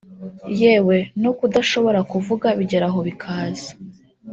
yewe no kudashobora kuvuga bigeraho bikaza